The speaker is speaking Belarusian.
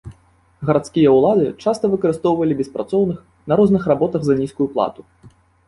Гарадскія ўлады часта выкарыстоўвалі беспрацоўных на розных работах за нізкую плату.